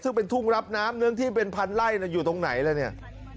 ซึ่งเป็นทุ่งรับน้ำเนื้อที่เป็นพันไล่อยู่ตรงไหนล่ะเนี่ย